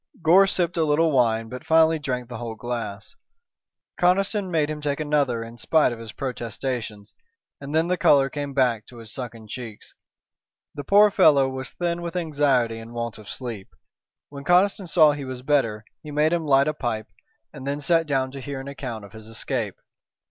Gore sipped a little wine but finally drank the whole glass. Conniston made him take another in spite of his protestations, and then the color came back to his sunken cheeks. The poor fellow was thin with anxiety and want of sleep. When Conniston saw he was better he made him light a pipe and then sat down to hear an account of his escape.